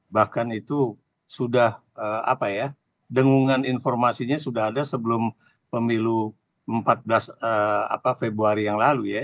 bahkan itu sudah apa ya dengungan informasinya sudah ada sebelum pemilu empat belas februari yang lalu ya